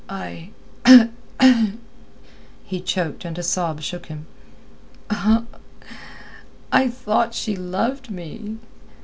I"—he choked, and a sob shook him—"I thought she loved me.